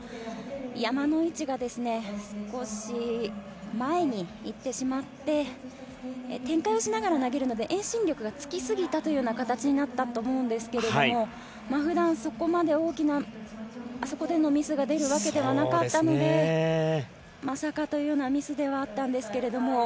山の位置が少し前に行ってしまって展開をしながら投げるので遠心力がつきすぎたというような形になったと思うんですけども普段、そこまで大きなあそこでのミスが出るわけではなかったのでまさかというようなミスではあったんですけれども。